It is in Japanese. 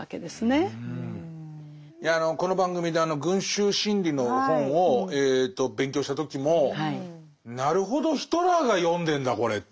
いやこの番組で群衆心理の本を勉強した時もなるほどヒトラーが読んでんだこれっていう。